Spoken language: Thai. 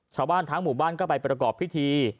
ชาวบ้านทั้งหมู่บ้านก็ไปประกอบพิธี